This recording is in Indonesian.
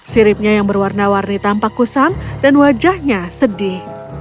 siripnya yang berwarna warni tampak kusam dan wajahnya sedih